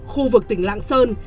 khu vực tỉnh lạng sơn